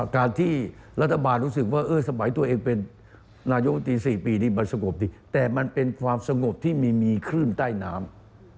การที่รัฐบาลรู้สึกว่าเออสมัยตัวเองเป็นนายกตรี๔ปีนี้มันสงบดีแต่มันเป็นความสงบที่ไม่มีคลื่นใต้น้ำ